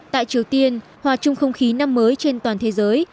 tại triều tiên hòa chung không khí năm mới trên toàn thế giới